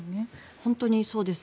本当にそうです。